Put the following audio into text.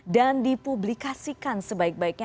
dan dipublikasikan sebaik baiknya